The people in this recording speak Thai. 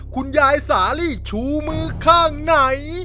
คุณยายสาลีชูมือข้างไหน